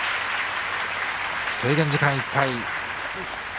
制限時間いっぱい。